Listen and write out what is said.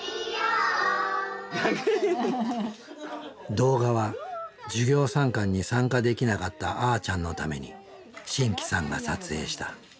動画は授業参観に参加できなかったあーちゃんのために真気さんが撮影した。